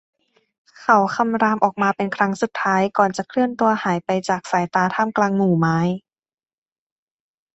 เขาคำรามออกมาเป็นครั้งสุดท้ายก่อนจะเคลื่อนตัวหายไปจากสายตาท่ามกลางหมู่ไม้